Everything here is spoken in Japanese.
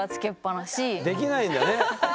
できないんだね。